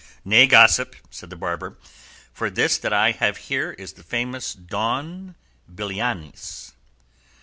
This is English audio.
"Nay, gossip," said the barber, "for this that I have here is the famous 'Don Belianis.